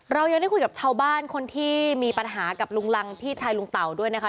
เรายังได้คุยกับชาวบ้านคนที่มีปัญหากับลุงรังพี่ชายลุงเต่าด้วยนะคะ